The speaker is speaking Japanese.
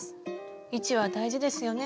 位置は大事ですよね。